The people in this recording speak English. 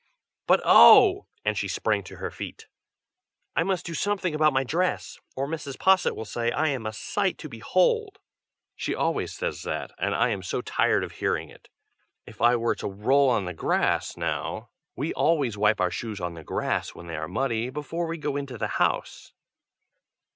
But oh!" and she sprang to her feet, "I must do something about my dress, or Mrs. Posset will say, I am 'a sight to behold!' She always says that, and I am so tired of hearing it. If I were to roll on the grass, now! we always wipe our shoes on the grass, when they are muddy, before we go into the house."